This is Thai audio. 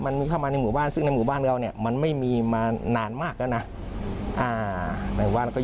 งานบ้านก็อยู่ด้านนี้นะครับ